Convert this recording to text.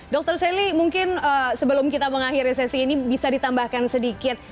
dr sally mungkin sebelum kita mengakhiri sesi ini bisa ditambahkan sedikit